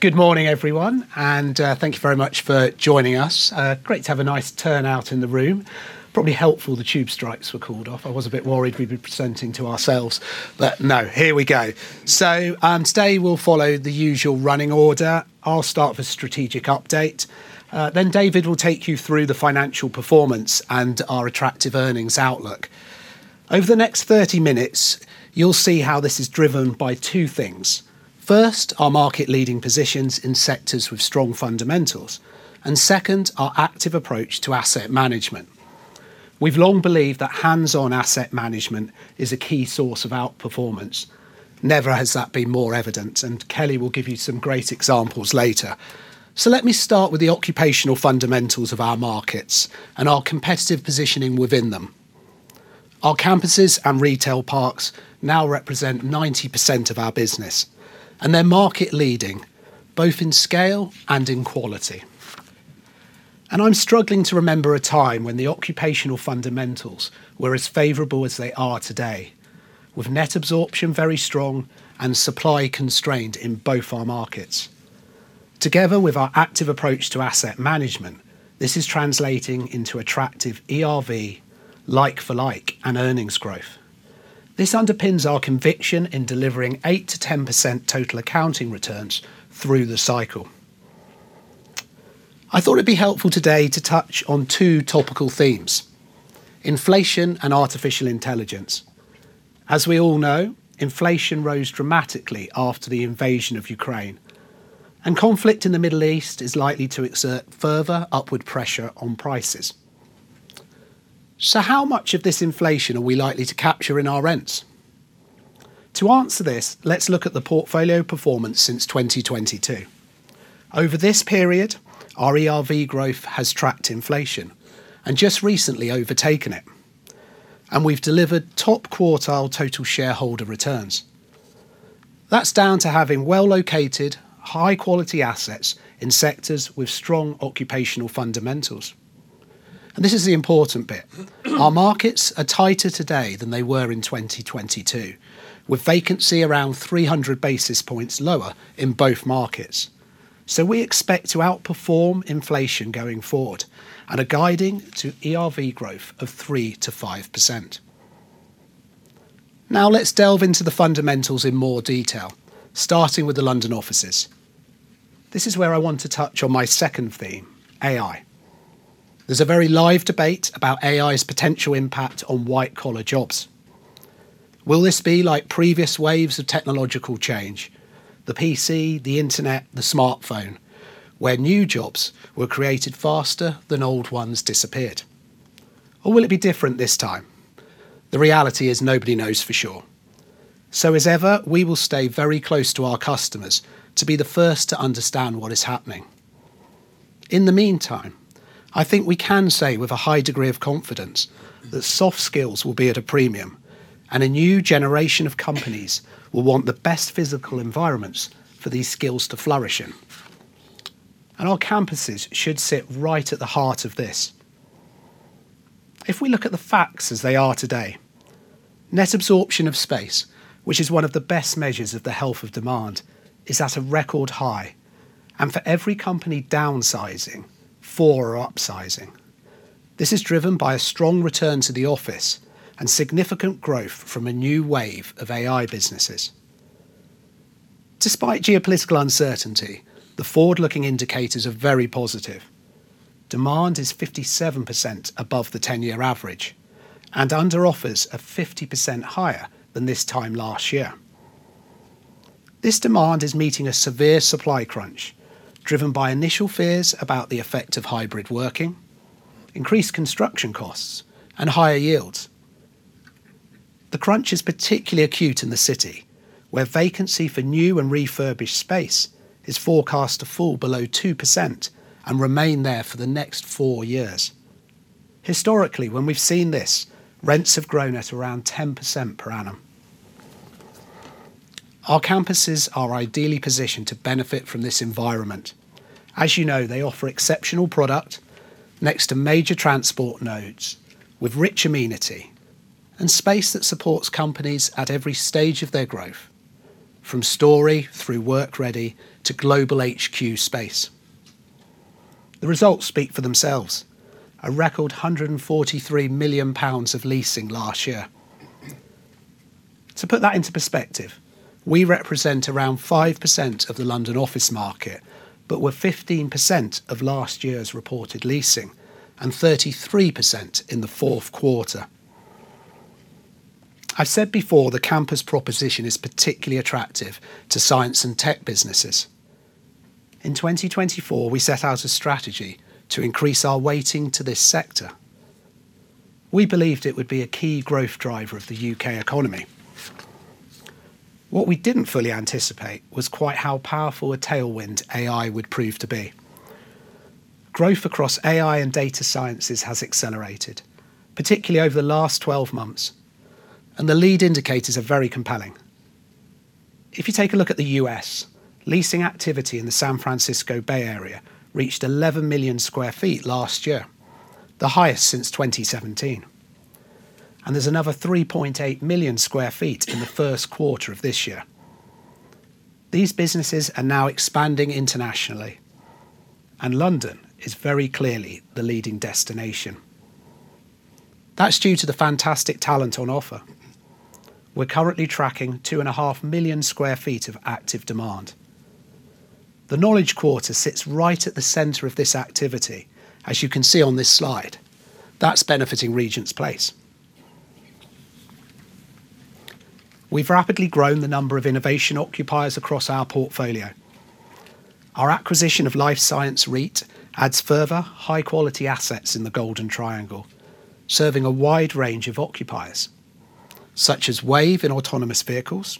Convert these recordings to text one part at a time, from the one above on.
Good morning, everyone, and thank you very much for joining us. Great to have a nice turnout in the room. Probably helpful the Tube strikes were called off. I was a bit worried we'd be presenting to ourselves, but no, here we go. Today, we'll follow the usual running order. I'll start with a strategic update. David will take you through the financial performance and our attractive earnings outlook. Over the next 30 minutes, you'll see how this is driven by two things. First, our market-leading positions in sectors with strong fundamentals, and second, our active approach to asset management. We've long believed that hands-on asset management is a key source of outperformance. Never has that been more evident, and Kelly will give you some great examples later. Let me start with the occupational fundamentals of our markets and our competitive positioning within them. Our campuses and retail parks now represent 90% of our business, and they're market leading, both in scale and in quality. I'm struggling to remember a time when the occupational fundamentals were as favorable as they are today, with net absorption very strong and supply constrained in both our markets. Together with our active approach to asset management, this is translating into attractive ERV, like-for-like, and earnings growth. This underpins our conviction in delivering 8%-10% total accounting returns through the cycle. I thought it'd be helpful today to touch on two topical themes: inflation and artificial intelligence. As we all know, inflation rose dramatically after the invasion of Ukraine. Conflict in the Middle East is likely to exert further upward pressure on prices. How much of this inflation are we likely to capture in our rents? To answer this, let's look at the portfolio performance since 2022. Over this period, our ERV growth has tracked inflation and just recently overtaken it, and we've delivered top quartile total shareholder returns. That's down to having well-located, high-quality assets in sectors with strong occupational fundamentals. This is the important bit. Our markets are tighter today than they were in 2022, with vacancy around 300 basis points lower in both markets. We expect to outperform inflation going forward and are guiding to ERV growth of 3%-5%. Let's delve into the fundamentals in more detail, starting with the London offices. This is where I want to touch on my second theme, AI. There's a very live debate about AI's potential impact on white-collar jobs. Will this be like previous waves of technological change, the PC, the internet, the smartphone, where new jobs were created faster than old ones disappeared? Will it be different this time? The reality is nobody knows for sure. As ever, we will stay very close to our customers to be the first to understand what is happening. In the meantime, I think we can say with a high degree of confidence that soft skills will be at a premium and a new generation of companies will want the best physical environments for these skills to flourish in. Our campuses should sit right at the heart of this. If we look at the facts as they are today, net absorption of space, which is one of the best measures of the health of demand, is at a record high. For every company downsizing, four are upsizing. This is driven by a strong return to the office and significant growth from a new wave of AI businesses. Despite geopolitical uncertainty, the forward-looking indicators are very positive. Demand is 57% above the 10-year average, and underoffers are 50% higher than this time last year. This demand is meeting a severe supply crunch driven by initial fears about the effect of hybrid working, increased construction costs, and higher yields. The crunch is particularly acute in the City, where vacancy for new and refurbished space is forecast to fall below 2% and remain there for the next four years. Historically, when we've seen this, rents have grown at around 10% per annum. Our campuses are ideally positioned to benefit from this environment. As you know, they offer exceptional product next to major transport nodes, with rich amenity and space that supports companies at every stage of their growth, from Storey through Work Ready to global HQ space. The results speak for themselves: a record 143 million pounds of leasing last year. To put that into perspective, we represent around 5% of the London office market but were 15% of last year's reported leasing and 33% in the fourth quarter. I've said before, the campus proposition is particularly attractive to science and tech businesses. In 2024, we set out a strategy to increase our weighting to this sector. We believed it would be a key growth driver of the U.K. economy. What we didn't fully anticipate was quite how powerful a tailwind AI would prove to be. Growth across AI and data sciences has accelerated, particularly over the last 12 months, and the lead indicators are very compelling. If you take a look at the U.S., leasing activity in the San Francisco Bay Area reached 11 million sq ft last year, the highest since 2017. There's another 3.8 million sq ft in the first quarter of this year. These businesses are now expanding internationally, and London is very clearly the leading destination. That's due to the fantastic talent on offer. We're currently tracking 2.5 million sq ft of active demand. The Knowledge Quarter sits right at the center of this activity, as you can see on this slide. That's benefiting Regent's Place. We've rapidly grown the number of innovation occupiers across our portfolio. Our acquisition of Life Science REIT adds further high-quality assets in the Golden Triangle, serving a wide range of occupiers, such as Wayve in autonomous vehicles,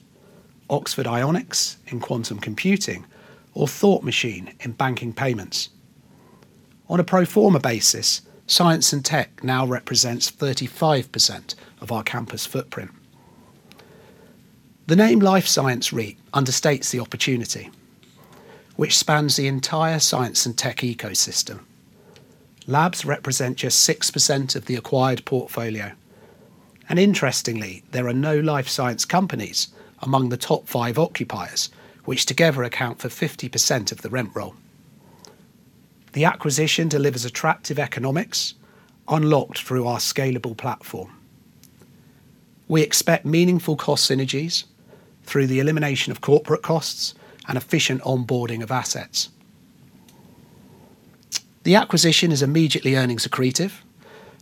Oxford Ionics in quantum computing, or Thought Machine in banking payments. On a pro forma basis, science and tech now represents 35% of our campus footprint. The name Life Science REIT understates the opportunity, which spans the entire science and tech ecosystem. Labs represent just 6% of the acquired portfolio, and interestingly, there are no life science companies among the top five occupiers, which together account for 50% of the rent roll. The acquisition delivers attractive economics unlocked through our scalable platform. We expect meaningful cost synergies through the elimination of corporate costs and efficient onboarding of assets. The acquisition is immediately earnings accretive,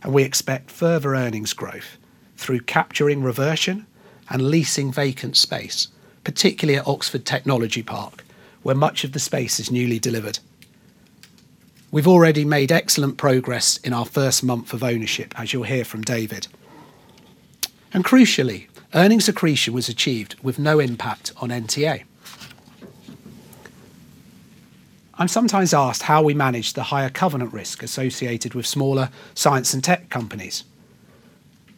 and we expect further earnings growth through capturing reversion and leasing vacant space, particularly at Oxford Technology Park, where much of the space is newly delivered. We've already made excellent progress in our first month of ownership, as you'll hear from David. Crucially, earnings accretion was achieved with no impact on NTA. I'm sometimes asked how we manage the higher covenant risk associated with smaller science and tech companies.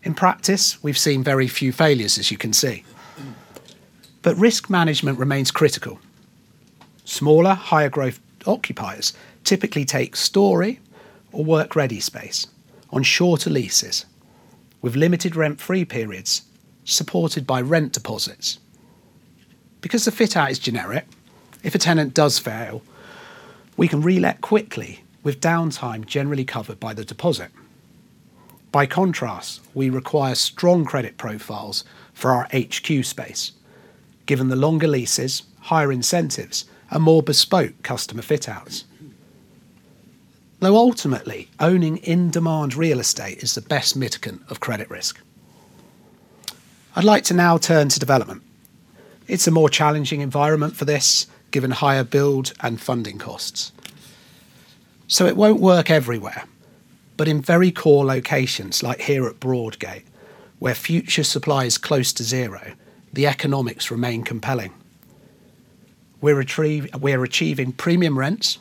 In practice, we've seen very few failures, as you can see, but risk management remains critical. Smaller, higher-growth occupiers typically take Storey or Work Ready space on shorter leases with limited rent-free periods supported by rent deposits. Because the fit-out is generic, if a tenant does fail, we can re-let quickly with downtime generally covered by the deposit. By contrast, we require strong credit profiles for our HQ space, given the longer leases, higher incentives, and more bespoke customer fit-outs. Though ultimately, owning in-demand real estate is the best mitigant of credit risk. I'd like to now turn to development. It's a more challenging environment for this, given higher build and funding costs. It won't work everywhere, but in very core locations like here at Broadgate, where future supply is close to zero, the economics remain compelling. We're achieving premium rents,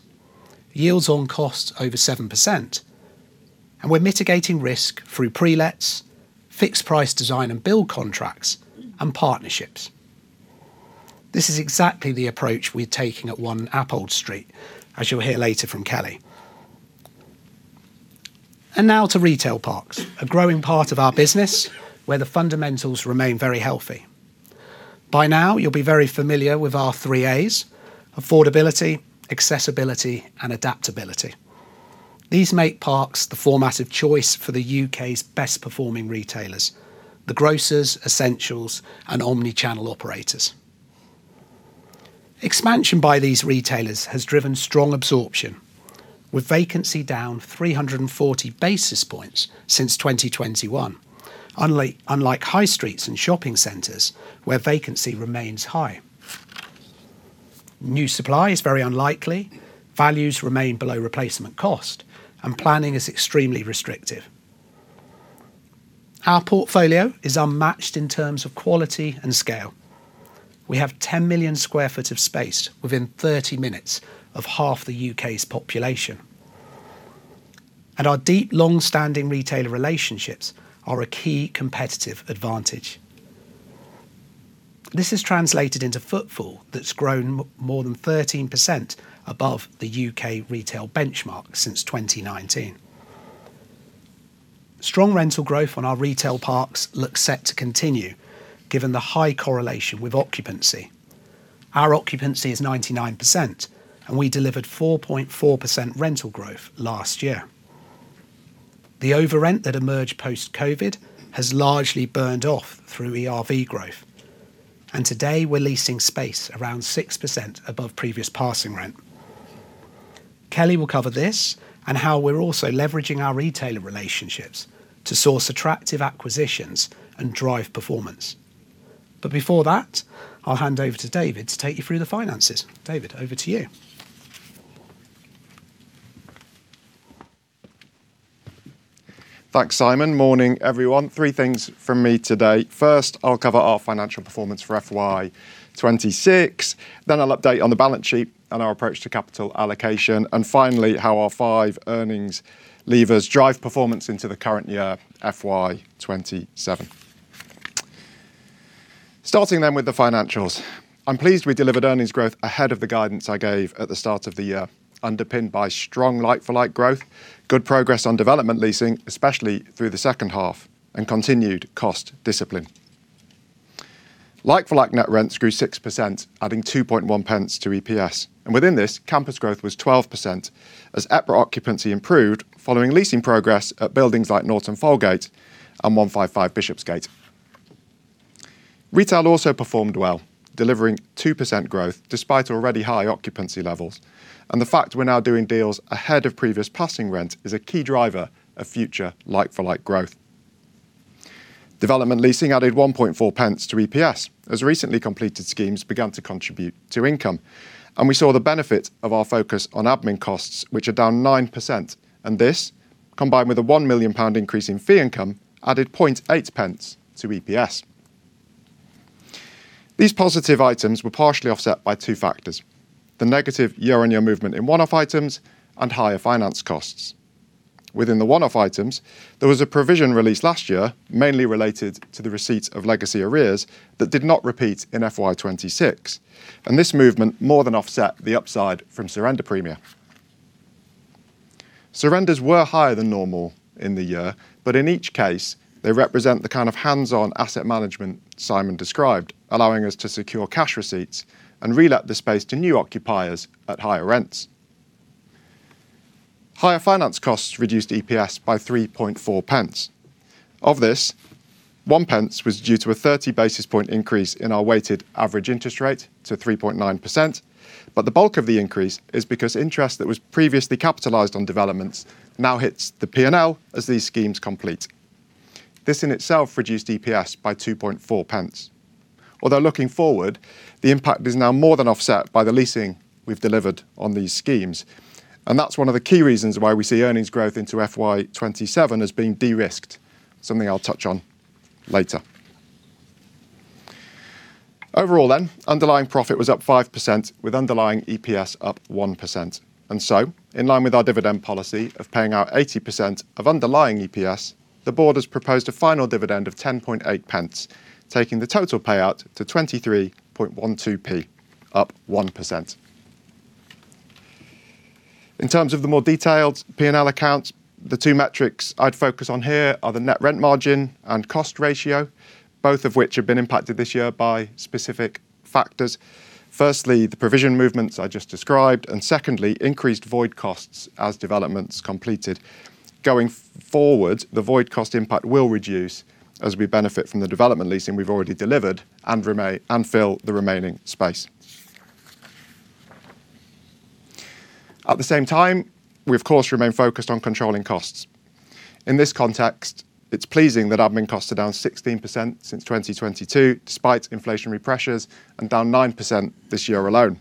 yields on cost over 7%, and we're mitigating risk through pre-lets, fixed-price design and build contracts, and partnerships. This is exactly the approach we're taking at 1 Appold Street, as you'll hear later from Kelly. Now to retail parks, a growing part of our business where the fundamentals remain very healthy. By now you'll be very familiar with our three A's: affordability, accessibility, and adaptability. These make parks the format of choice for the U.K.'s best-performing retailers. The grocers, essentials, and omnichannel operators. Expansion by these retailers has driven strong absorption, with vacancy down 340 basis points since 2021, unlike high streets and shopping centers where vacancy remains high. New supply is very unlikely, values remain below replacement cost, and planning is extremely restrictive. Our portfolio is unmatched in terms of quality and scale. We have 10 million sq ft of space within 30 minutes of half the U.K.'s population. Our deep, long-standing retailer relationships are a key competitive advantage. This is translated into footfall that's grown more than 13% above the U.K. retail benchmark since 2019. Strong rental growth on our retail parks looks set to continue given the high correlation with occupancy. Our occupancy is 99% and we delivered 4.4% rental growth last year. The overrent that emerged post-COVID has largely burned off through ERV growth, and today we're leasing space around 6% above previous passing rent. Kelly will cover this and how we're also leveraging our retailer relationships to source attractive acquisitions and drive performance. Before that, I'll hand over to David to take you through the finances. David, over to you. Thanks, Simon. Morning, everyone. Three things from me today. First, I'll cover our financial performance for FY 2026. I'll update on the balance sheet our approach to capital allocation, and finally, how our five earnings levers drive performance into the current year, FY 2027. Starting then with the financials. I'm pleased we delivered earnings growth ahead of the guidance I gave at the start of the year, underpinned by strong like-for-like growth, good progress on development leasing, especially through the second half, and continued cost discipline. Like-for-like net rents grew 6%, adding 0.021 to EPS, and within this, campus growth was 12% as EPRA occupancy improved following leasing progress at buildings like Norton Folgate and 155 Bishopsgate. Retail also performed well, delivering 2% growth despite already high occupancy levels, and the fact we're now doing deals ahead of previous passing rents is a key driver of future like-for-like growth. Development leasing added 0.014 to EPS as recently completed schemes began to contribute to income. We saw the benefit of our focus on admin costs, which are down 9%. This, combined with a 1 million pound increase in fee income, added 0.008 to EPS. These positive items were partially offset by two factors, the negative year-on-year movement in one-off items and higher finance costs. Within the one-off items, there was a provision released last year, mainly related to the receipt of legacy arrears that did not repeat in FY 2026, and this movement more than offset the upside from surrender premium. Surrenders were higher than normal in the year, but in each case, they represent the kind of hands-on asset management Simon described, allowing us to secure cash receipts and re-let the space to new occupiers at higher rents. Higher finance costs reduced EPS by 0.034. Of this, 0.01 was due to a 30 basis points increase in our weighted average interest rate to 3.9%, but the bulk of the increase is because interest that was previously capitalized on developments now hits the P&L as these schemes complete. This in itself reduced EPS by 0.024. Although looking forward, the impact is now more than offset by the leasing we've delivered on these schemes. That's one of the key reasons why we see earnings growth into FY 2027 as being de-risked, something I'll touch on later. Overall then, underlying profit was up 5% with underlying EPS up 1%. In line with our dividend policy of paying out 80% of underlying EPS, The Board has proposed a final dividend of 0.108, taking the total payout to 0.2312, up 1%. In terms of the more detailed P&L accounts, the two metrics I'd focus on here are the net rent margin and cost ratio, both of which have been impacted this year by specific factors. Firstly, the provision movements I just described, and secondly, increased void costs as developments completed. Going forward, the void cost impact will reduce as we benefit from the development leasing we've already delivered and fill the remaining space. At the same time, we of course remain focused on controlling costs. In this context, it's pleasing that admin costs are down 16% since 2022, despite inflationary pressures, and down 9% this year alone.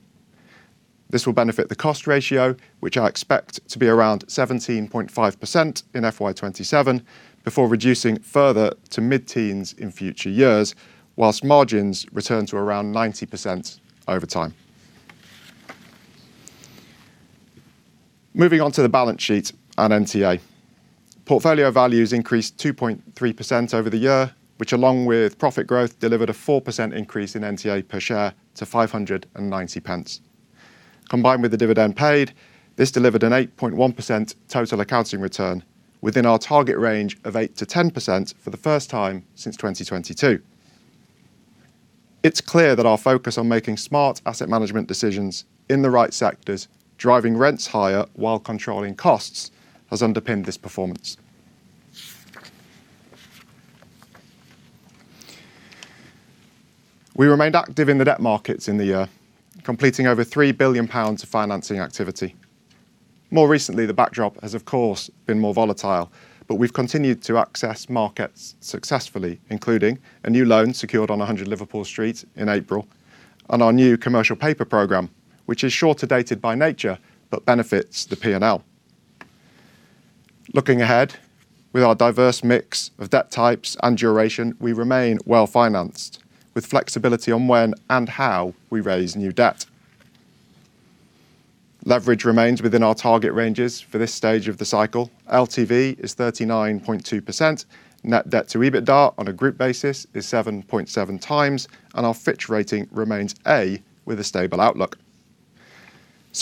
This will benefit the cost ratio, which I expect to be around 17.5% in FY 2027, before reducing further to mid-teens in future years, whilst margins return to around 90% over time. Moving on to the balance sheet and NTA. Portfolio values increased 2.3% over the year, which along with profit growth delivered a 4% increase in NTA per share to 5.90. Combined with the dividend paid, this delivered an 8.1% total accounting return within our target range of 8%-10% for the first time since 2022. It's clear that our focus on making smart asset management decisions in the right sectors, driving rents higher while controlling costs, has underpinned this performance. We remained active in the debt markets in the year, completing over 3 billion pounds of financing activity. More recently, the backdrop has, of course, been more volatile, we've continued to access markets successfully, including a new loan secured on 100 Liverpool Street in April, and our new commercial paper programme, which is shorter-dated by nature but benefits the P&L. Looking ahead, with our diverse mix of debt types and duration, we remain well financed with flexibility on when and how we raise new debt. Leverage remains within our target ranges for this stage of the cycle. LTV is 39.2%, net debt to EBITDA on a group basis is 7.7x, and our Fitch rating remains A with a stable outlook.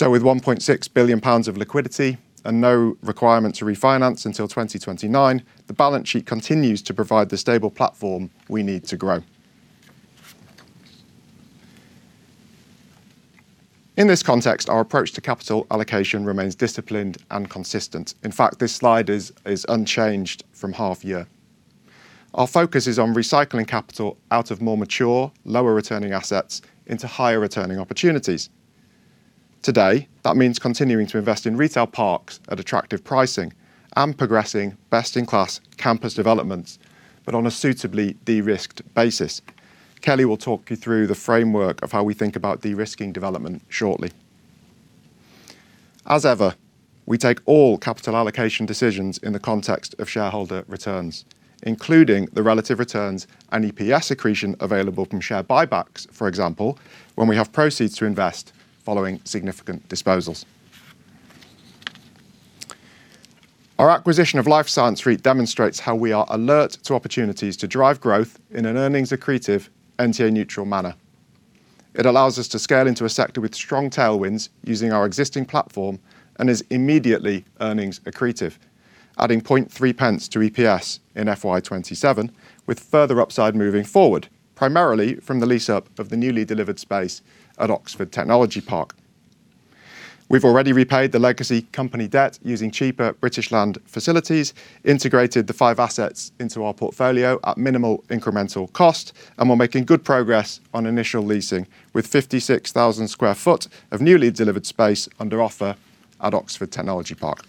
With 1.6 billion pounds of liquidity and no requirement to refinance until 2029, the balance sheet continues to provide the stable platform we need to grow. In this context, our approach to capital allocation remains disciplined and consistent. In fact, this slide is unchanged from half year. Our focus is on recycling capital out of more mature, lower-returning assets into higher-returning opportunities. Today, that means continuing to invest in Retail Parks at attractive pricing and progressing best-in-class campus developments, but on a suitably de-risked basis. Kelly will talk you through the framework of how we think about de-risking development shortly. As ever, we take all capital allocation decisions in the context of shareholder returns. Including the relative returns and EPS accretion available from share buybacks, for example, when we have proceeds to invest following significant disposals. Our acquisition of Life Science REIT demonstrates how we are alert to opportunities to drive growth in an earnings-accretive, NTA-neutral manner. It allows us to scale into a sector with strong tailwinds using our existing platform and is immediately earnings accretive, adding 0.003 to EPS in FY 2027, with further upside moving forward, primarily from the lease-up of the newly delivered space at Oxford Technology Park. We've already repaid the legacy company debt using cheaper British Land facilities, integrated the five assets into our portfolio at minimal incremental cost, and we're making good progress on initial leasing with 56,000 sq ft of newly delivered space under offer at Oxford Technology Park.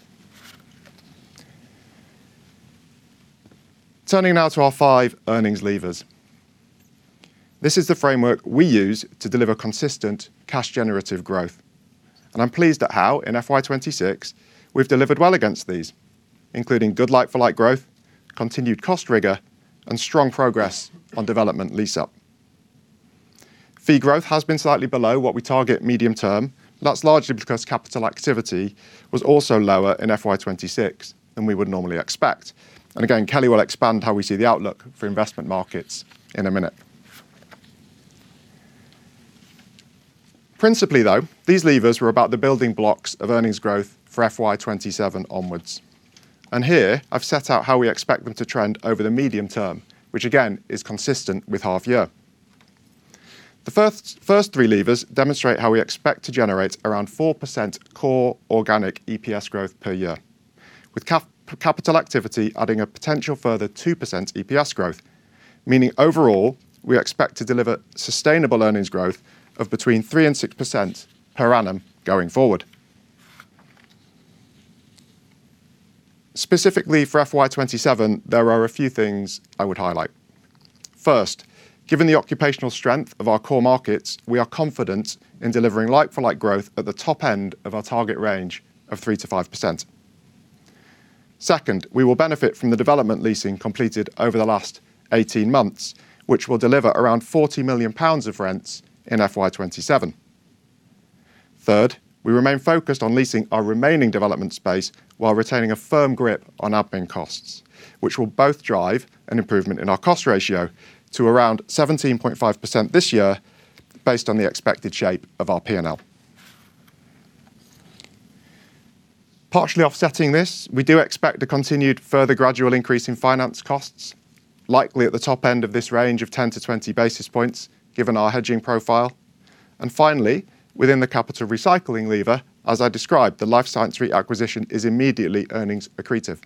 Turning now to our five earnings levers. This is the framework we use to deliver consistent cash-generative growth. I'm pleased at how in FY 2026, we've delivered well against these, including good like-for-like growth, continued cost rigor, and strong progress on development lease-up. Fee growth has been slightly below what we target medium term. That's largely because capital activity was also lower in FY 2026 than we would normally expect. Again, Kelly will expand how we see the outlook for investment markets in a minute. Principally though, these levers were about the building blocks of earnings growth for FY 2027 onwards. Here I've set out how we expect them to trend over the medium term, which again is consistent with half year. The first three levers demonstrate how we expect to generate around 4% core organic EPS growth per year, with capital activity adding a potential further 2% EPS growth, meaning overall we expect to deliver sustainable earnings growth of between 3% and 6% per annum going forward. Specifically for FY 2027, there are a few things I would highlight. First, given the occupational strength of our core markets, we are confident in delivering like-for-like growth at the top end of our target range of 3%-5%. Second, we will benefit from the development leasing completed over the last 18 months, which will deliver around 40 million pounds of rents in FY 2027. Third, we remain focused on leasing our remaining development space while retaining a firm grip on admin costs, which will both drive an improvement in our cost ratio to around 17.5% this year based on the expected shape of our P&L. Partially offsetting this, we do expect a continued further gradual increase in finance costs, likely at the top end of this range of 10-20 basis points given our hedging profile. Finally, within the capital recycling lever, as I described, the Life Science REIT acquisition is immediately earnings accretive.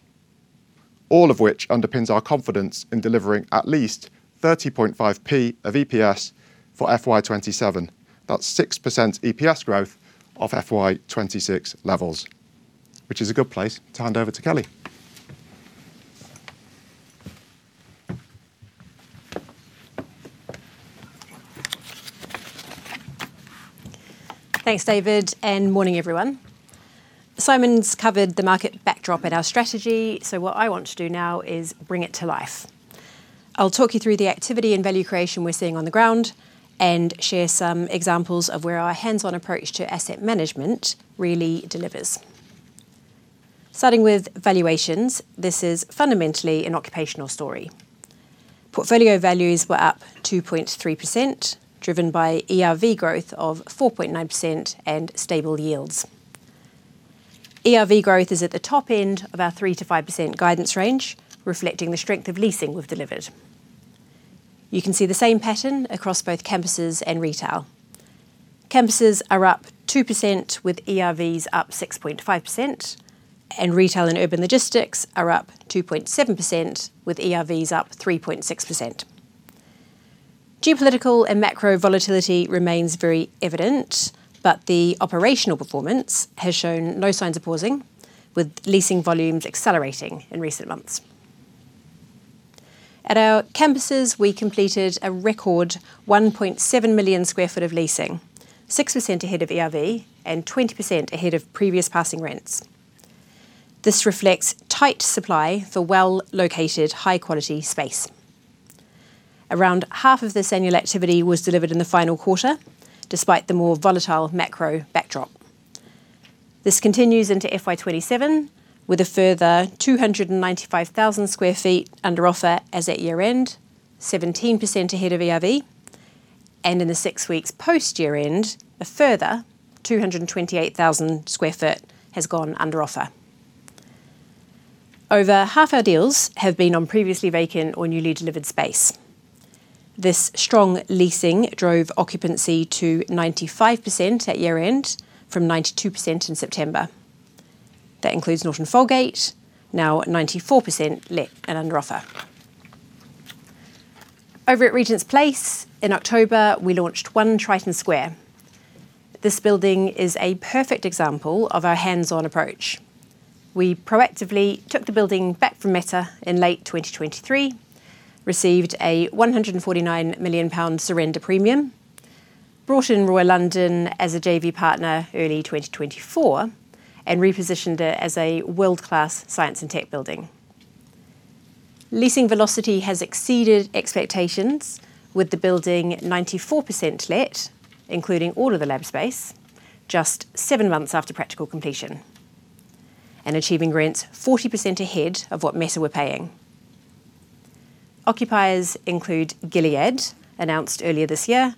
All of which underpins our confidence in delivering at least 0.305 of EPS for FY 2027. That's 6% EPS growth off FY 2026 levels, which is a good place to hand over to Kelly. Thanks, David, and morning, everyone. Simon's covered the market backdrop and our strategy, so what I want to do now is bring it to life. I'll talk you through the activity and value creation we're seeing on the ground and share some examples of where our hands-on approach to asset management really delivers. Starting with valuations, this is fundamentally an occupational story. Portfolio values were up 2.3%, driven by ERV growth of 4.9% and stable yields. ERV growth is at the top end of our 3%-5% guidance range, reflecting the strength of leasing we've delivered. You can see the same pattern across both campuses and retail. Campuses are up 2% with ERVs up 6.5%, and Retail & Urban Logistics are up 2.7%, with ERVs up 3.6%. Geopolitical and macro volatility remains very evident, the operational performance has shown no signs of pausing, with leasing volumes accelerating in recent months. At our campuses, we completed a record 1.7 million sq ft of leasing, 6% ahead of ERV and 20% ahead of previous passing rents. This reflects tight supply for well-located, high-quality space. Around half of this annual activity was delivered in the final quarter, despite the more volatile macro backdrop. This continues into FY 2027, with a further 295,000 sq ft under offer as at year-end, 17% ahead of ERV, and in the six weeks post-year-end, a further 228,000 sq ft has gone under offer. Over half our deals have been on previously vacant or newly delivered space. This strong leasing drove occupancy to 95% at year end from 92% in September. That includes Norton Folgate, now at 94% let and under offer. Over at Regent's Place in October, we launched 1 Triton Square. This building is a perfect example of our hands-on approach. We proactively took the building back from Meta in late 2023, received a 149 million pound surrender premium, brought in Royal London as a JV partner early 2024, and repositioned it as a world-class science and tech building. Leasing velocity has exceeded expectations, with the building 94% let, including all of the lab space, just seven months after practical completion, and achieving rents 40% ahead of what Meta were paying. Occupiers include Gilead, announced earlier this year,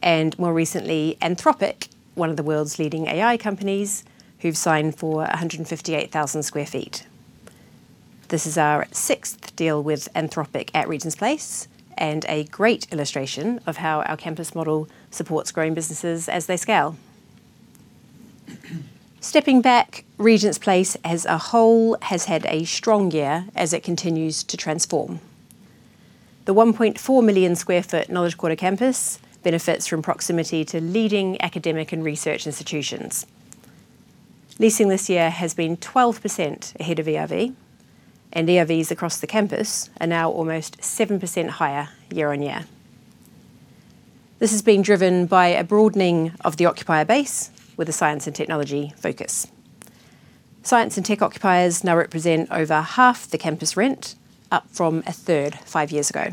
and more recently Anthropic, one of the world's leading AI companies, who've signed for 158,000 sq ft. This is our sixth deal with Anthropic at Regent's Place and a great illustration of how our campus model supports growing businesses as they scale. Stepping back, Regent's Place as a whole has had a strong year as it continues to transform. The 1.4 million sq ft Knowledge Quarter campus benefits from proximity to leading academic and research institutions. Leasing this year has been 12% ahead of ERV, and ERVs across the campus are now almost 7% higher year-on-year. This has been driven by a broadening of the occupier base with a science and technology focus. Science and tech occupiers now represent over half the campus rent, up from a third five years ago.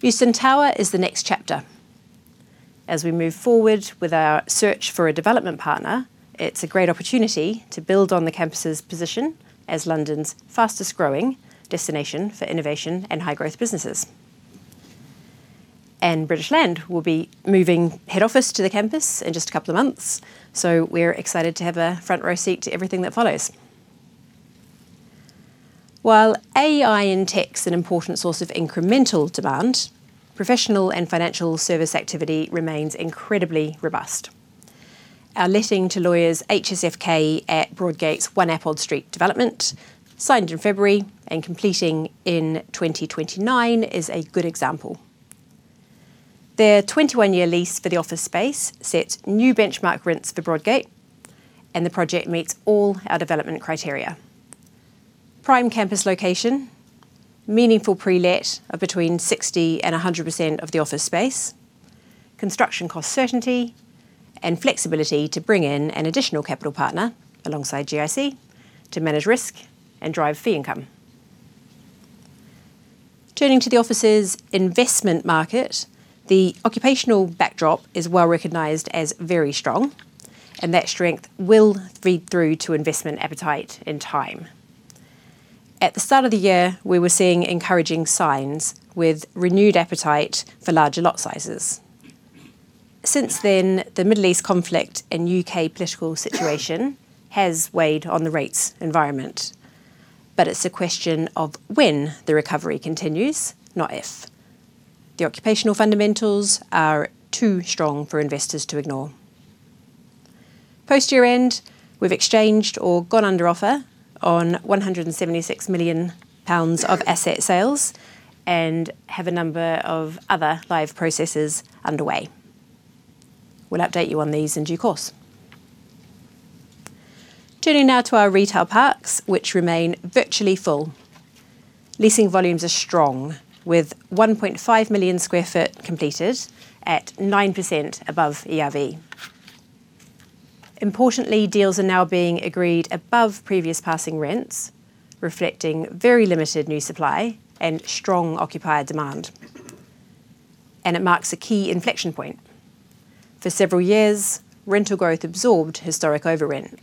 Euston Tower is the next chapter. As we move forward with our search for a development partner, it's a great opportunity to build on the campus's position as London's fastest-growing destination for innovation and high-growth businesses. British Land will be moving head office to the campus in just a couple of months, so we're excited to have a front-row seat to everything that follows. While AI and tech's an important source of incremental demand, professional and financial service activity remains incredibly robust. Our letting to lawyers [HSFK] at Broadgate's 1 Appold Street development, signed in February and completing in 2029, is a good example. Their 21-year lease for the office space sets new benchmark rents for Broadgate. The project meets all our development criteria: prime campus location, meaningful pre-let of between 60% and 100% of the office space, construction cost certainty, and flexibility to bring in an additional capital partner alongside GIC to manage risk and drive fee income. Turning to the offices investment market, the occupational backdrop is well recognized as very strong, and that strength will feed through to investment appetite in time. At the start of the year, we were seeing encouraging signs with renewed appetite for larger lot sizes. Since then, the Middle East conflict and U.K. political situation has weighed on the rates environment, but it's a question of when the recovery continues, not if. The occupational fundamentals are too strong for investors to ignore. Post-year-end, we've exchanged or gone under offer on 176 million pounds of asset sales and have a number of other live processes underway. We'll update you on these in due course. Turning now to our retail parks, which remain virtually full. Leasing volumes are strong, with 1.5 million sq ft completed at 9% above ERV. Deals are now being agreed above previous passing rents, reflecting very limited new supply and strong occupier demand. It marks a key inflection point. For several years, rental growth absorbed historic overrent.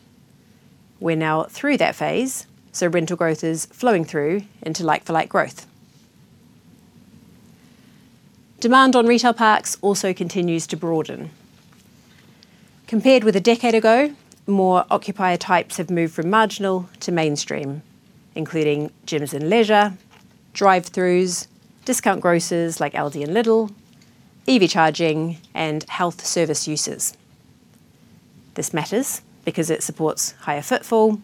We're now through that phase, rental growth is flowing through into like-for-like growth. Demand on retail parks also continues to broaden. Compared with a decade ago, more occupier types have moved from marginal to mainstream, including gyms and leisure, drive-throughs, discount grocers like Aldi and Lidl, EV charging, and health service uses. This matters because it supports higher footfall,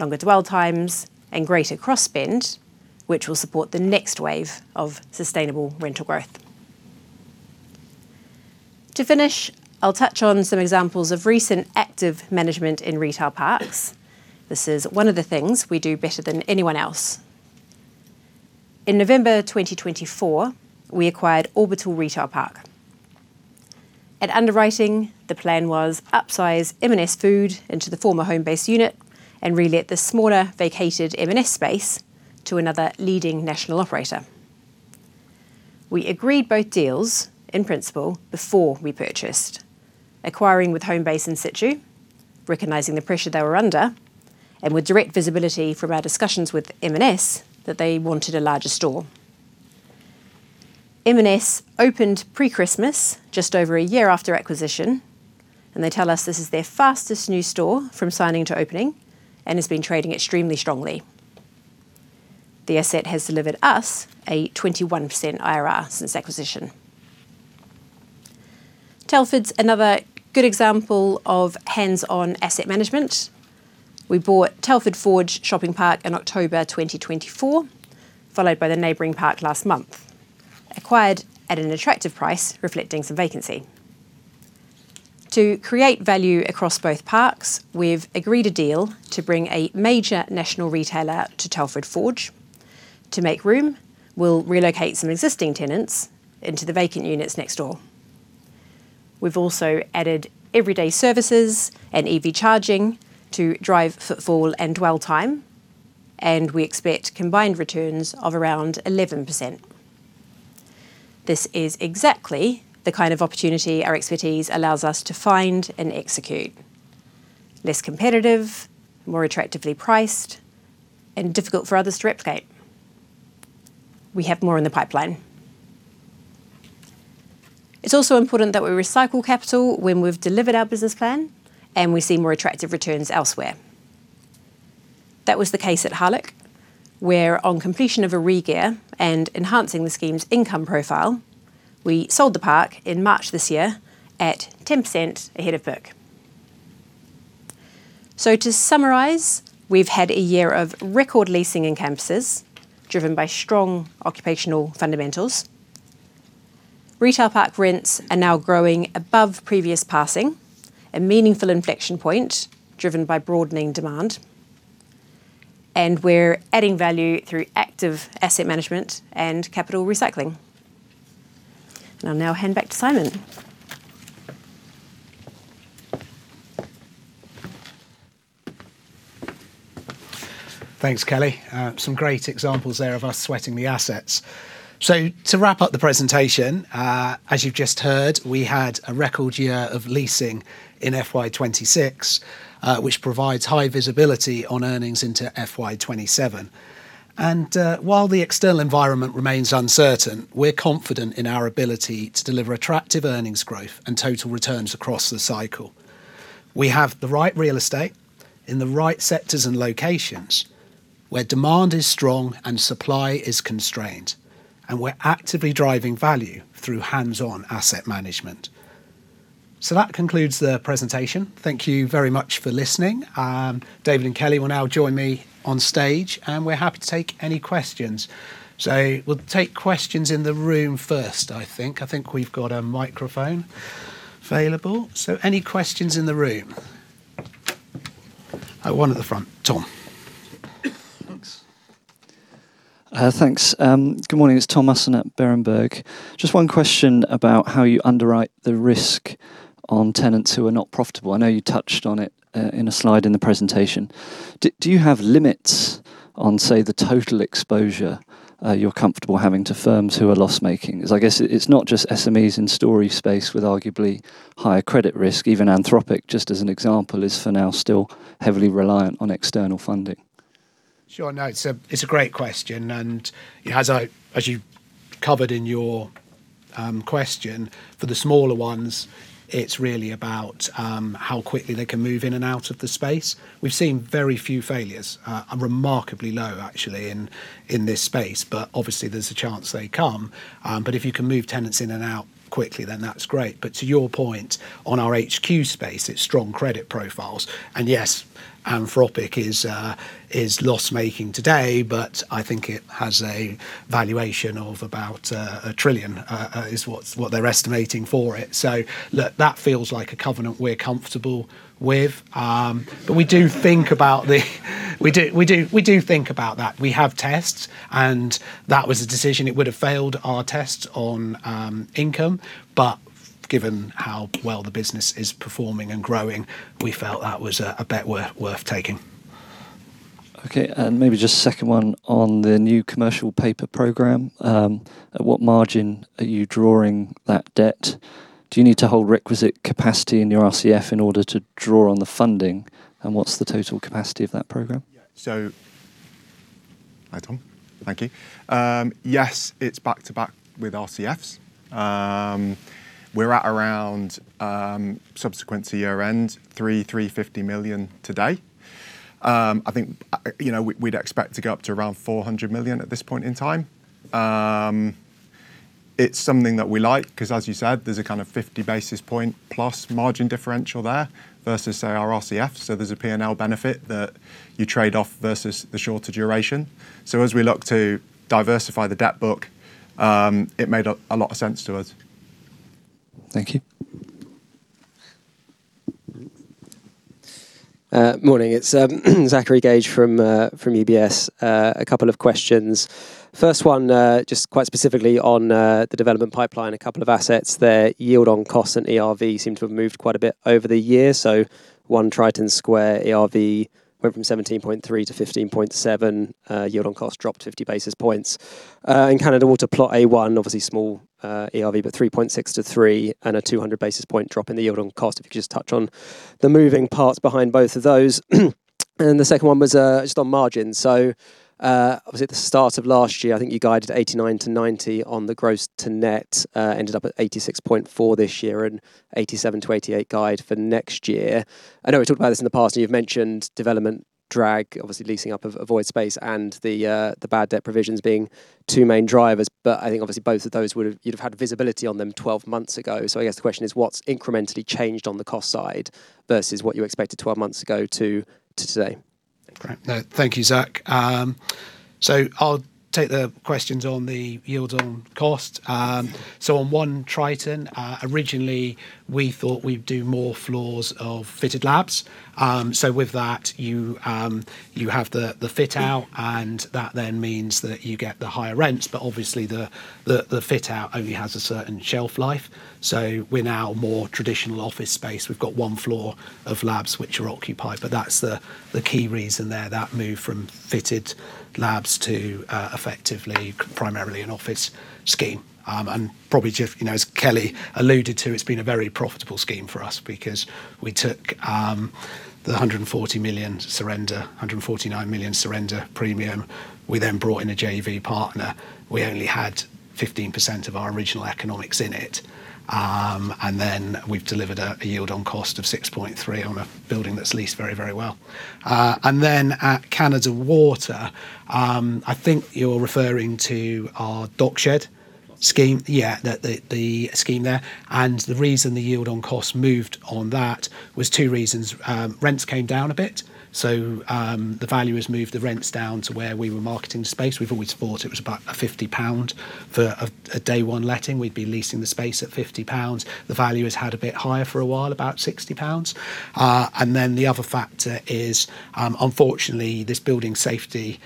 longer dwell times, and greater cross-spend, which will support the next wave of sustainable rental growth. To finish, I'll touch on some examples of recent active management in retail parks. This is one of the things we do better than anyone else. In November 2024, we acquired Orbital Retail Park. At underwriting, the plan was upsize M&S Food into the former Homebase unit and re-let the smaller vacated M&S space to another leading national operator. We agreed both deals in principle before we purchased, acquiring with Homebase in situ, recognizing the pressure they were under, and with direct visibility from our discussions with M&S that they wanted a larger store. M&S opened pre-Christmas, just over a year after acquisition, and they tell us this is their fastest new store from signing to opening and has been trading extremely strongly. The asset has delivered us a 21% IRR since acquisition. Telford's another good example of hands-on asset management. We bought Telford Forge Shopping Park in October 2024, followed by the neighboring park last month, acquired at an attractive price reflecting some vacancy. To create value across both parks, we've agreed a deal to bring a major national retailer to Telford Forge. To make room, we'll relocate some existing tenants into the vacant units next door. We've also added everyday services and EV charging to drive footfall and dwell time. We expect combined returns of around 11%. This is exactly the kind of opportunity our expertise allows us to find and execute. Less competitive, more attractively priced, and difficult for others to replicate. We have more in the pipeline. It's also important that we recycle capital when we've delivered our business plan and we see more attractive returns elsewhere. That was the case at Harlech, where on completion of a regear and enhancing the scheme's income profile, we sold the park in March this year at 10% ahead of book. To summarize, we've had a year of record leasing in Campuses, driven by strong occupational fundamentals. Retail park rents are now growing above previous passing, a meaningful inflection point driven by broadening demand. We're adding value through active asset management and capital recycling. I'll now hand back to Simon. Thanks, Kelly. Some great examples there of us sweating the assets. To wrap up the presentation, as you've just heard, we had a record year of leasing in FY 2026, which provides high visibility on earnings into FY 2027. While the external environment remains uncertain, we're confident in our ability to deliver attractive earnings growth and total returns across the cycle. We have the right real estate in the right sectors and locations where demand is strong and supply is constrained. We're actively driving value through hands-on asset management. That concludes the presentation. Thank you very much for listening. David and Kelly will now join me on stage, and we're happy to take any questions. We'll take questions in the room first, I think. I think we've got a microphone available. Any questions in the room? One at the front, Tom? Thanks. Good morning, it's Tom Musson at Berenberg. 1 question about how you underwrite the risk on tenants who are not profitable. I know you touched on it in a slide in the presentation. Do you have limits on, say, the total exposure you're comfortable having to firms who are loss-making? I guess it's not just SMEs in store space with arguably higher credit risk? Even Anthropic, just as an example, is for now still heavily reliant on external funding. Sure, no, it's a great question. As you covered in your question, for the smaller ones it's really about how quickly they can move in and out of the space. We've seen very few failures, remarkably low actually, in this space, obviously there's a chance they come. If you can move tenants in and out quickly, that's great. To your point, on our HQ space, it's strong credit profiles. Yes, Anthropic is loss-making today, but I think it has a valuation of about 1 trillion is what they're estimating for it. Look, that feels like a covenant we're comfortable with. We do think about that. We have tests. That was a decision. It would have failed our tests on income, but given how well the business is performing and growing, we felt that was a bet worth taking. Okay. Maybe just a second one on the new commercial paper program. At what margin are you drawing that debt? Do you need to hold requisite capacity in your RCF in order to draw on the funding? What's the total capacity of that program? Hi, Tom. Thank you. Yes, it's back-to-back. With RCFs. We're at around subsequent to year-end, 350 million today. I think, you know, we'd expect to go up to around 400 million at this point in time. It's something that we like because, as you said, there's a kind of 50 basis points plus margin differential there versus, say, our RCF. There's a P&L benefit that you trade off versus the shorter duration. As we look to diversify the debt book, it made a lot of sense to us. Thank you. Morning. It's Zachary Gauge from UBS. A couple of questions. First one, just quite specifically on the development pipeline, a couple of assets, their yield on cost and ERV seem to have moved quite a bit over the year. 1 Triton Square ERV went from 17.3%-15.7%, yield on cost dropped 50 basis points. In Canada, Water Plot A1, obviously small ERV, but 3.6%-3%, and a 200 basis point drop in the yield on cost. If you could just touch on the moving parts behind both of those. The second one was just on margins. Obviously at the start of last year, I think you guided 89%-90% on the gross to net, ended up at 86.4% this year and 87%-88% guide for next year. I know we talked about this in the past and you've mentioned development obviously leasing up of void space and the bad debt provisions being two main drivers. I think obviously both of those you'd have had visibility on them 12 months ago. I guess the question is what's incrementally changed on the cost side versus what you expected 12 months ago to today? Great. No, thank you, Zach. I'll take the questions on the yields on cost. On 1 Triton, originally we thought we'd do more floors of fitted labs. With that, you have the fit-out, and that then means that you get the higher rents. Obviously, the fit-out only has a certain shelf life. We're now more traditional office space. We've got one floor of labs which are occupied, but that's the key reason there, that move from fitted labs to effectively primarily an office scheme. Probably, you know, as Kelly alluded to, it's been a very profitable scheme for us because we took the 140 million surrender, 149 million surrender premium. We brought in a JV partner. We only had 15% of our original economics in it. We've delivered a yield on cost of 6.3% on a building that's leased very, very well. At Canada Water, I think you are referring to our Dock Shed scheme. Yeah. The scheme there. The reason the yield on cost moved on that was two reasons. Rents came down a bit, so the valuers moved the rents down to where we were marketing space. We've always thought it was about 50 pound for a day one letting. We'd be leasing the space at 50 pounds. The valuers had a bit higher for a while, about 60 pounds. The other factor is, unfortunately, this Building Safety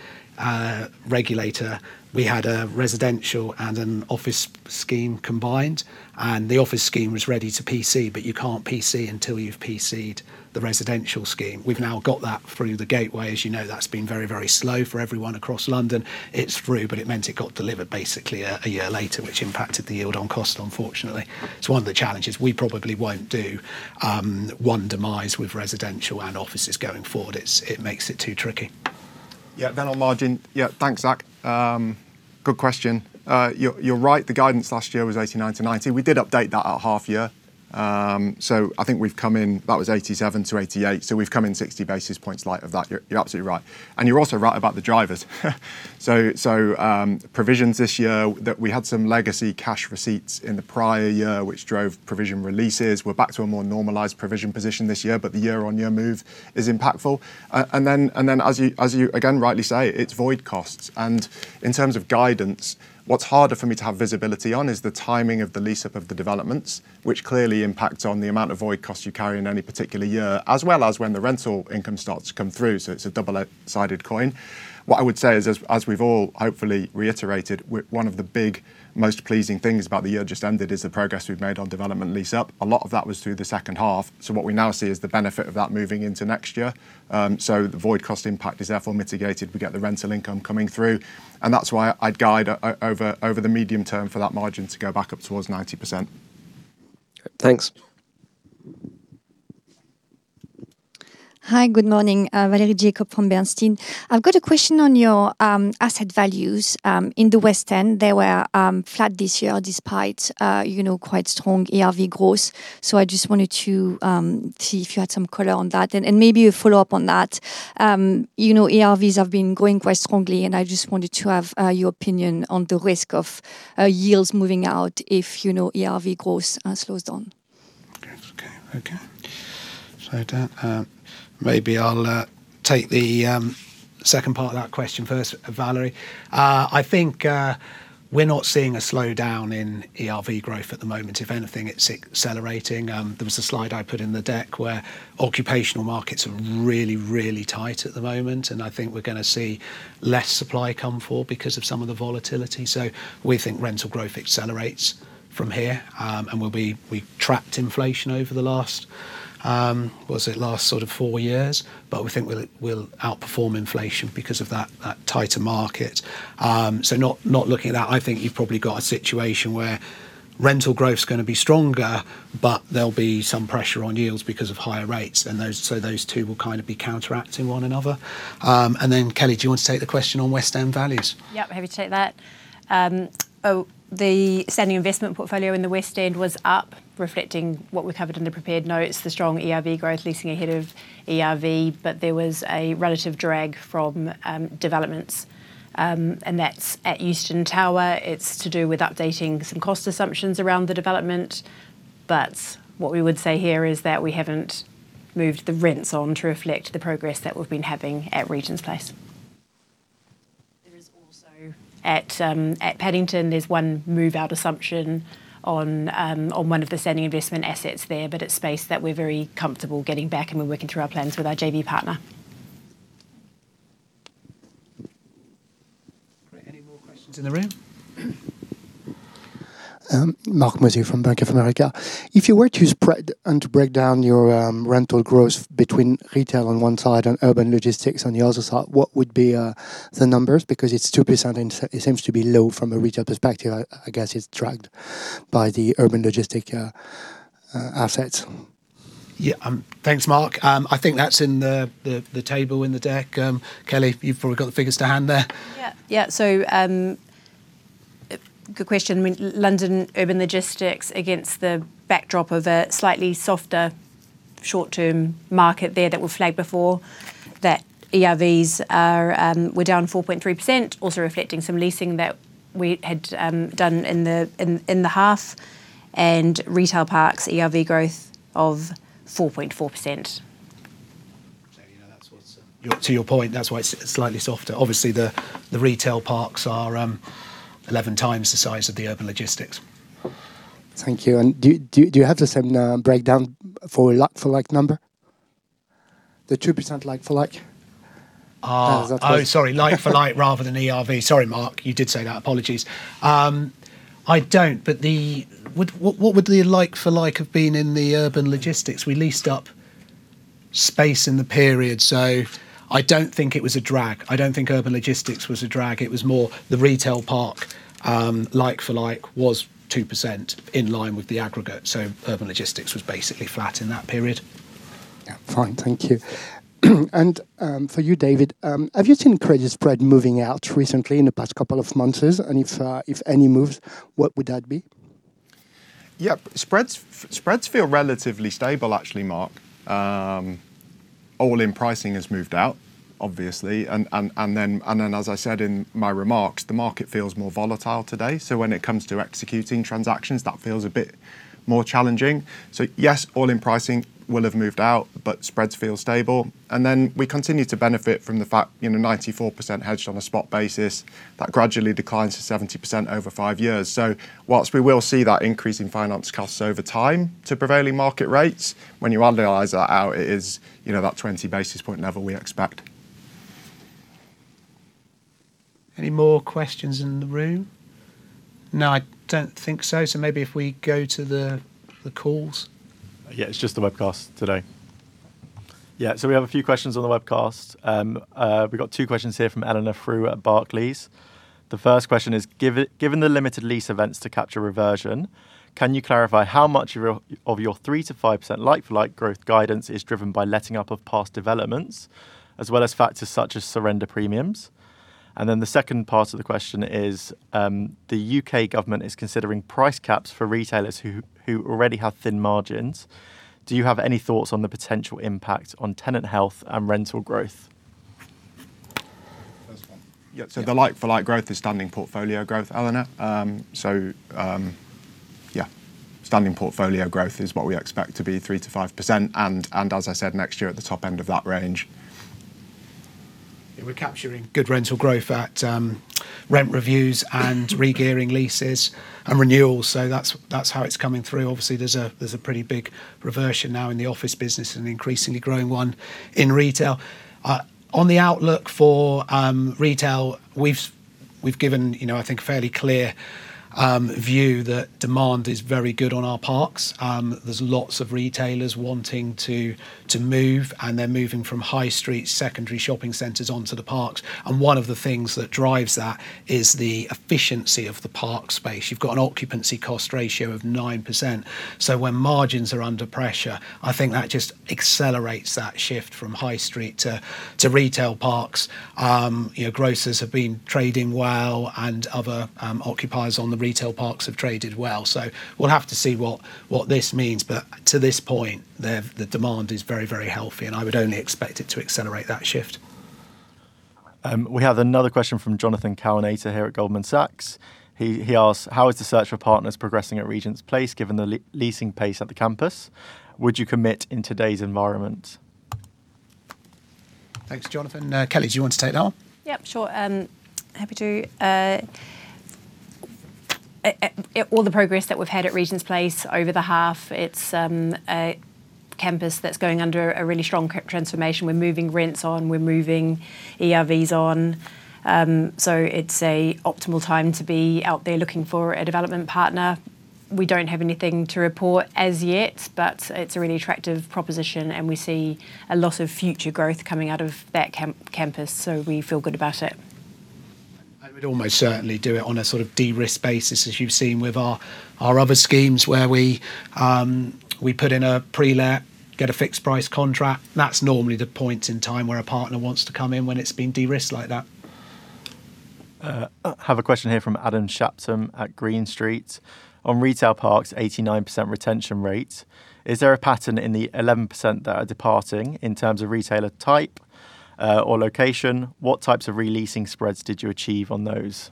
Regulator— we had a residential and an office scheme combined, and the office scheme was ready to PC, but you can't PC until you've PC'd the residential scheme. We've now got that through the gateway. As you know, that's been very, very slow for everyone across London. It's through, but it meant it got delivered basically one year later, which impacted the yield on cost, unfortunately. It's one of the challenges. We probably won't do one demise with residential and offices going forward. It makes it too tricky. Then on margin. Thanks, Zach. Good question. You're right. The guidance last year was 89%-90%. We did update that at half year. I think we've come in that was 87%-88%. We've come in 60 basis points light of that. You're absolutely right. You're also right about the drivers. Provisions this year that we had some legacy cash receipts in the prior year which drove provision releases. We're back to a more normalized provision position this year, but the year-on-year move is impactful. As you again rightly say, it's void costs. In terms of guidance, what's harder for me to have visibility on is the timing of the lease-up of the developments, which clearly impacts on the amount of void costs you carry in any particular year, as well as when the rental income starts to come through. It's a double-sided coin. What I would say is, as we've all hopefully reiterated, one of the big, most pleasing things about the year just ended is the progress we've made on development lease-up. A lot of that was through the second half. What we now see is the benefit of that moving into next year. The void cost impact is therefore mitigated. We get the rental income coming through. That's why I'd guide over the medium term for that margin to go back up towards 90%. Thanks. Hi, good morning. Valerie Jacob from Bernstein. I've got a question on your asset values in the West End. They were flat this year despite quite strong ERV growth. I just wanted to see if you had some color on that. Maybe a follow-up on that. You know, ERVs have been growing quite strongly, and I just wanted to have your opinion on the risk of yields moving out if, you know, ERV growth slows down. Okay. Okay. Maybe I'll take the second part of that question first, Valerie. I think we're not seeing a slowdown in ERV growth at the moment. If anything, it's accelerating. There was a slide I put in the deck where Occupational markets are really, really tight at the moment. I think we're going to see less supply come forward because of some of the volatility. We think rental growth accelerates from here and we trapped inflation over the last, was it last sort of four years? We think we'll outperform inflation because of that tighter market. Not, not looking at that, I think you've probably got a situation where rental growth is going to be stronger. There'll be some pressure on yields because of higher rates, and those two will kind of be counteracting one another. Kelly, do you want to take the question on West End values? Yeah, happy to take that. Oh, the standing investment portfolio in the West End was up, reflecting what we covered in the prepared notes, the strong ERV growth, leasing ahead of ERV, but there was a relative drag from developments, and that's at Euston Tower. It's to do with updating some cost assumptions around the development. What we would say here is that we haven't moved the rents on to reflect the progress that we've been having at Regent's Place. There is also at Paddington, there's one move-out assumption on one of the standing investment assets there, but it's space that we're very comfortable getting back and we're working through our plans with our JV partner. Any more questions in the room? Marc Mozzi from Bank of America. If you were to spread and to break down your rental growth between retail on one side and urban logistics on the other side, what would be the numbers? Because it's 2% and it seems to be low from a retail perspective. I guess it's dragged by the urban logistics assets. Yeah. Thanks, Marc. I think that's in the table in the deck. Kelly, you've probably got the figures to hand there. Yeah, good question. London Urban Logistics against the backdrop of a slightly softer short-term market there that we flagged before, that ERVs were down 4.3%, also reflecting some leasing that we had done in the half, and retail parks ERV growth of 4.4%. To your point, that's why it's slightly softer. Obviously, the retail parks are 11x the size of the urban logistics. Thank you. Do you have the same breakdown for like-for-like number? The 2% like-for-like? Oh, sorry, like-for-like rather than ERV. Sorry, Marc, you did say that. Apologies. I don't, what would the like-for-like have been in the Urban Logistics? We leased up space in the period. I don't think it was a drag. I don't think Urban Logistics was a drag. It was more the retail park, like-for-like, was 2% in line with the aggregate. Urban Logistics was basically flat in that period. Fine, thank you. For you, David, have you seen credit spread moving out recently in the past couple of months? If any moves, what would that be? Yeah, spreads feel relatively stable actually, Marc. All-in pricing has moved out, obviously. As I said in my remarks, the market feels more volatile today. When it comes to executing transactions, that feels a bit more challenging. Yes, all-in pricing will have moved out, but spreads feel stable. We continue to benefit from the fact, you know, 94% hedged on a spot basis. That gradually declines to 70% over five years. Whilst we will see that increase in finance costs over time to prevailing market rates, when you annualize that out, it is, you know, that 20 basis point level we expect. Any more questions in the room? No, I don't think so. Maybe if we go to the calls. Yeah, it's just the webcast today. Yeah, we have a few questions on the webcast. We've got two questions here from Eleanor Frew at Barclays. The first question is, given the limited lease events to capture reversion, can you clarify how much of your 3%-5% like-for-like growth guidance is driven by letting up of past developments as well as factors such as surrender premiums? The second part of the question is, the U.K. government is considering price caps for retailers who already have thin margins. Do you have any thoughts on the potential impact on tenant health and rental growth? First one. Yeah, the like-for-like growth is standing portfolio growth, Eleanor. Yeah, standing portfolio growth is what we expect to be 3%-5%. As I said, next year at the top end of that range. We're capturing good rental growth at rent reviews and regearing leases and renewals. That's how it's coming through. Obviously, there's a pretty big reversion now in the office business and increasingly growing one in retail. On the outlook for retail, we've given, you know, I think fairly clear view that demand is very good on our retail parks. There's lots of retailers wanting to move, and they're moving from high street secondary shopping centers onto the retail parks. One of the things that drives that is the efficiency of the retail park space. You've got an occupancy cost ratio of 9%. When margins are under pressure, I think that just accelerates that shift from high street to retail parks. You know, grocers have been trading well, and other occupiers on the retail parks have traded well. We'll have to see what this means. To this point, the demand is very healthy. I would only expect it to accelerate that shift. We have another question from Jonathan Kownator here at Goldman Sachs. He asks, how is the search for partners progressing at Regent's Place given the leasing pace at the campus? Would you commit in today's environment? Thanks, Jonathan. Kelly, do you want to take that one? Yep, sure. Happy to. All the progress that we've had at Regent's Place over the half, It's a campus that's going under a really strong transformation. We're moving rents on, we're moving ERVs on. It's an optimal time to be out there looking for a development partner. We don't have anything to report as yet, but it's a really attractive proposition and we see a lot of future growth coming out of that campus, so we feel good about it. I would almost certainly do it on a sort of de-risk basis, as you've seen with our other schemes where we put in a pre-let, get a fixed-price contract. That's normally the point in time where a partner wants to come in when it's been de-risked like that. I have a question here from Adam Shapton at Green Street on retail parks' 89% retention rate. Is there a pattern in the 11% that are departing in terms of retailer type or location? What types of re-leasing spreads did you achieve on those?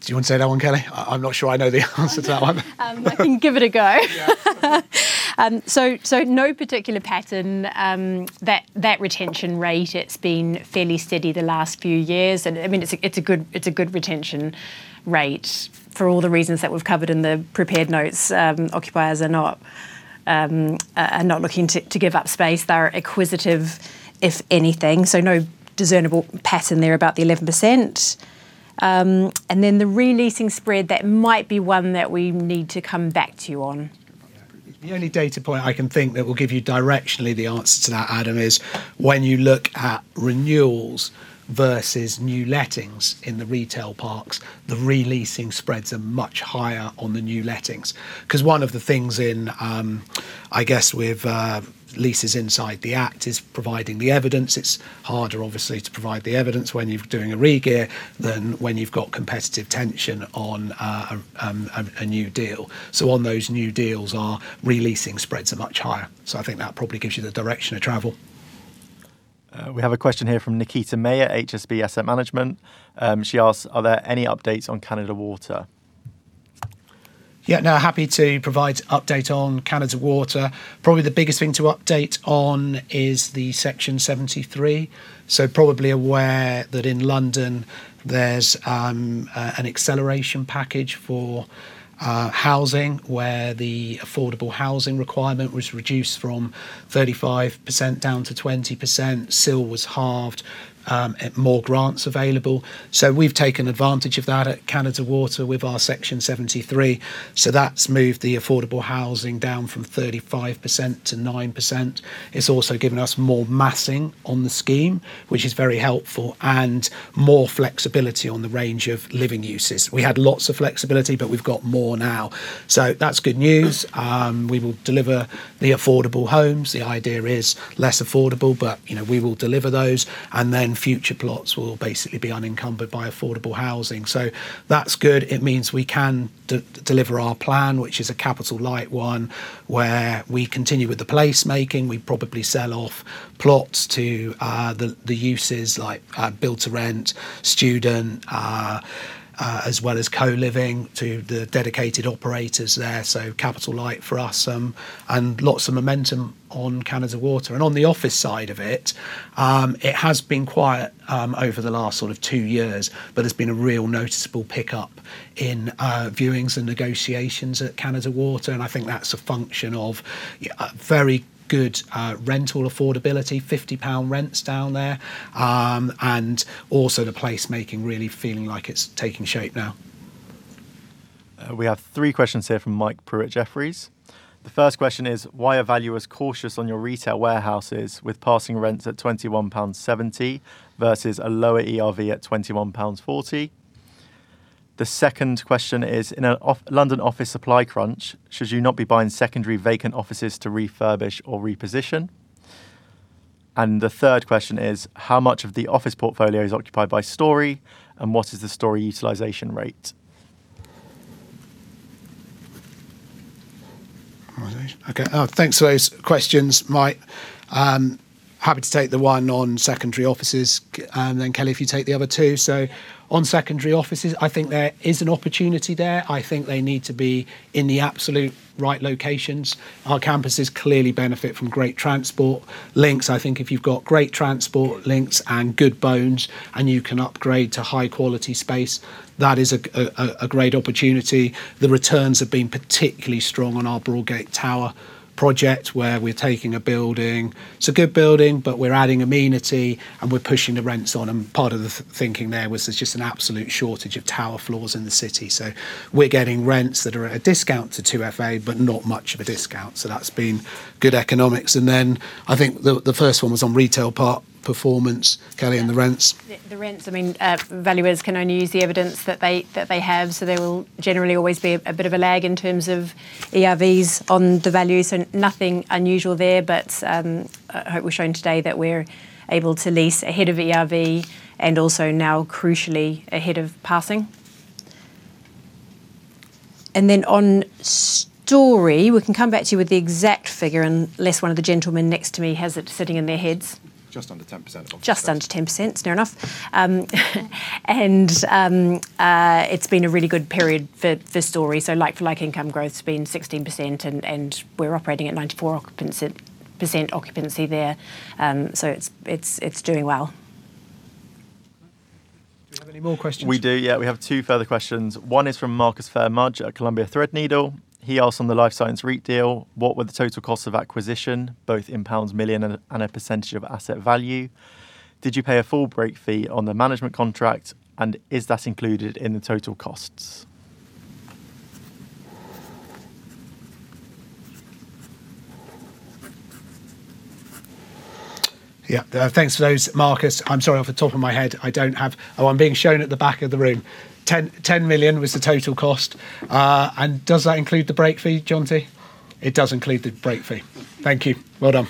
Do you want to say that one, Kelly? I'm not sure I know the answer to that one. I can give it a go. No particular pattern. That retention rate, it's been fairly steady the last few years, and I mean, it's a good retention rate for all the reasons that we've covered in the prepared notes. Occupiers are not looking to give up space. They're acquisitive if anything. No discernible pattern there about the 11%. The re-leasing spread, that might be one that we need to come back to you on. The only data point I can think that will give you directionally the answer to that, Adam, is when you look at renewals versus new lettings in the retail parks, the re-leasing spreads are much higher on the new lettings because one of the things in I guess, with leases inside the Act is providing the evidence. It's harder, obviously, to provide the evidence when you're doing a regear than when you've got competitive tension on a new deal. On those new deals, our re-leasing spreads are much higher. I think that probably gives you the direction of travel. We have a question here from Nikita May, HSBC Asset Management. She asks, are there any updates on Canada Water? Yeah, happy to provide update on Canada Water. Probably the biggest thing to update on is the Section 73. Probably aware that in London there's an acceleration package for housing where the affordable housing requirement was reduced from 35% down to 20%, CIL was halved. More grants available. We've taken advantage of that at Canada Water with our Section 73. That's moved the affordable housing down from 35%-9%. It's also given us more massing on the scheme, which is very helpful, and more flexibility on the range of living uses. We had lots of flexibility, but we've got more now. That's good news. We will deliver the affordable homes. The idea is less affordable, but, you know, we will deliver those and then future plots will basically be unencumbered by affordable housing. That's good. It means we can deliver our plan, which is a capital-light one where we continue with the placemaking. We probably sell off plots to the uses like build-to-rent, student, as well as co-living to the dedicated operators there, capital-light for us, and lots of momentum on Canada Water. On the office side of it has been quiet over the last sort of two years, but there's been a real noticeable pickup in viewings and negotiations at Canada Water, and I think that's a function of very good rental affordability, 50 pound rents down there, and also the placemaking really for feeling like it's taking shape now. We have three questions here from Mike Prew with Jefferies. The first question is, why are valuers cautious on your retail parks with passing rents at 21.70 pounds versus a lower ERV at 21.40 pounds? The second question is, in a London office supply crunch, should you not be buying secondary vacant offices to refurbish or reposition? And the third question is, how much of the office portfolio is occupied by Storey, and what is the Storey utilization rate? Thanks for those questions, Mike. Happy to take the one on secondary offices, and then Kelly, if you take the other two. On secondary offices, I think there is an opportunity there. I think they need to be in the absolute right locations. Our campuses clearly benefit from great transport links. I think if you've got great transport links and good bones and you can upgrade to high-quality space, that is a great opportunity. The returns have been particularly strong on our Broadgate Tower project where we're taking a building, it's a good building, but we're adding amenity and we're pushing the rents on. Part of the thinking there was there's just an absolute shortage of tower floors in the city. We're getting rents that are at a discount to 2FA, but not much of a discount, so that's been good economics. I think the first one was on retail parks performance, Kelly, and the rents. The rents, I mean, valuers can only use the evidence that they have, so there will generally always be a bit of a lag in terms of ERVs on the values, and nothing unusual there, but I hope we've shown today that we're able to lease ahead of ERV and also now crucially ahead of passing. On Storey, we can come back to you with the exact figure unless one of the gentlemen next to me has it sitting in their heads. Just under 10% occupancy. Just under 10%, it's near enough. It's been a really good period for Storey. Like-for-like income growth's been 16% and we're operating at 94% occupancy there. It's doing well. Do we have any more questions? We do, yeah. We have two further questions. One is from Marcus Phayre-Mudge at Columbia Threadneedle. He asked on the Life Science REIT deal, what were the total costs of acquisition, both in pounds million and a percentage of asset value? Did you pay a full break fee on the management contract, and is that included in the total costs? Thanks for those, Marcus. I'm sorry, off the top of my head, I don't have. I'm being shown at the back of the room, 10 million was the total cost. Does that include the break fee, Jonty? It does include the break fee. Thank you. Well done.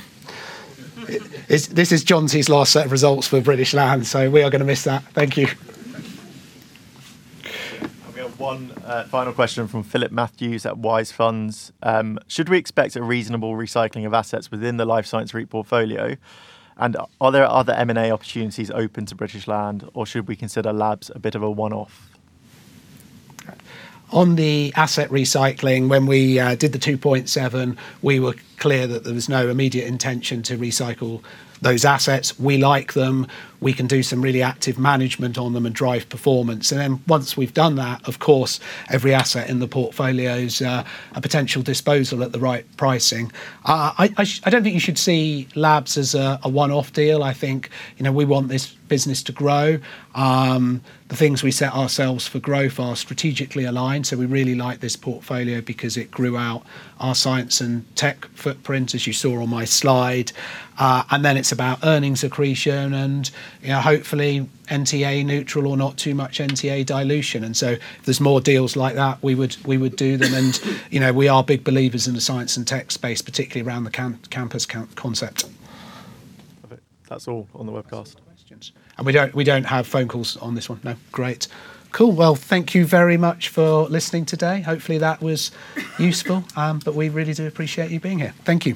This is Jonty's last set of results for British Land, so we are going to miss that. Thank you. One final question from Philip Matthews at Wise Funds. Should we expect a reasonable recycling of assets within the Life Science REIT portfolio? Are there other M&A opportunities open to British Land, or should we consider labs a bit of a one-off? On the asset recycling, when we did the 2.7 billion, we were clear that there was no immediate intention to recycle those assets. We like them. We can do some really active management on them. Drive performance. Once we've done that, of course, every asset in the portfolio is a potential disposal at the right pricing. I don't think you should see labs as a one-off deal. I think, you know, we want this business to grow. The things we set ourselves for growth are strategically aligned. We really like this portfolio because it grew out our science and tech footprint, as you saw on my slide. It's about earnings accretion and, you know, hopefully NTA neutral or not too much NTA dilution. There's more deals like that, we would do them. You know, we are big believers in the science and tech space, particularly around the campus concept. That's all on the webcast, And we don't have phone calls on this one. Great. Cool. Well, thank you very much for listening today. Hopefully that was useful. We really do appreciate you being here. Thank you.